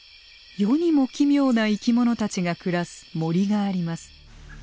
世にも奇妙な生き物たちが暮らす森があります。